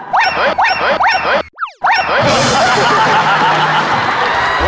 พี่แขนนี่ก็คงเฮาะคออยู่นะ